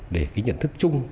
để cái nhận thức chung